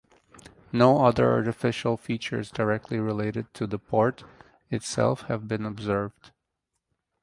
No other artificial features directly related to the port itself have been observed.